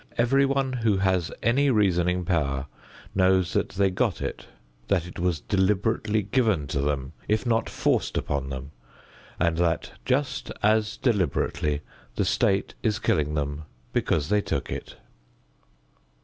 Everyone who has any reasoning power knows that they got it, that it was deliberately given to them if not forced upon them, and that just as deliberately the state is killing them because they took it.